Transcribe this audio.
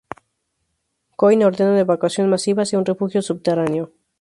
Coin ordena una evacuación masiva hacia un refugio subterráneo.